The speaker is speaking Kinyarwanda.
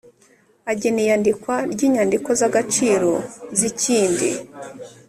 Agena iyandikwa ry inyandiko z agaciro z ikindi